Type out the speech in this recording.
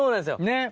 ねっ。